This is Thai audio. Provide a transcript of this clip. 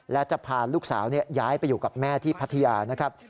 และจะพาลูกสาวย้ายไปอยู่กับแม่ที่พัทยานะครับ